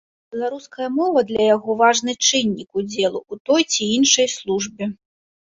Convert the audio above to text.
Беларуская мова для яго важны чыннік удзелу ў той ці іншай службе.